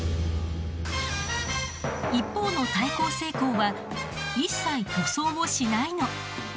一方の耐候性鋼は一切塗装をしないの。